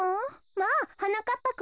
まあはなかっぱくん。